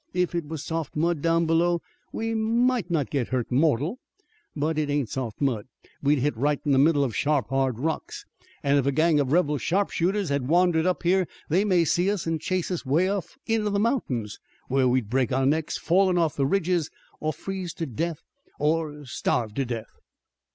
If it was soft mud down below we might not get hurt mortal. But it ain't soft mud. We'd hit right in the middle of sharp, hard rocks. An' if a gang of rebel sharpshooters has wandered up here they may see us an' chase us 'way off into the mountains, where we'd break our necks fallin' off the ridges or freeze to death or starve to death."